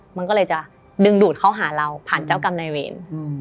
มันก็เลยจะดึงดูดเข้าหาเราผ่านเจ้ากรรมนายเวร